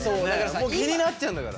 もう気になっちゃうんだから。